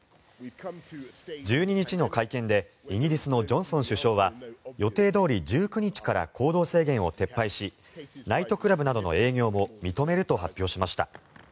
１２日の会見でイギリスのジョンソン首相は予定どおり１９日から行動制限を撤廃しナイトクラブなどの営業も認めると発表しました。